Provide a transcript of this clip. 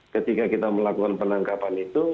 ketika kita melakukan penangkapan itu